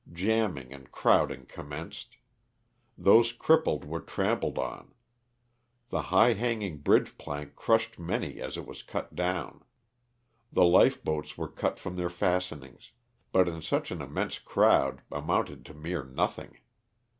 Jamming and crowding commenced. Those crippled were trampled on. The high hanging bridge plank crushed many as it was cut down. The life boats were cut from their fastenings ; but in such an immense crowd amounted to mere nothing.